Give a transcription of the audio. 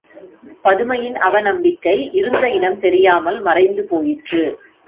பதுமையின் அவநம்பிக்கை இருந்த இடம் தெரியாமல் மறைந்து போயிற்று.